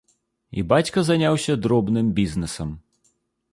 І бацька заняўся дробным бізнэсам.